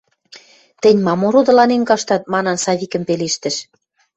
– Тӹнь мам ородыланен каштат?! – манын, Савикӹм пелештӹш.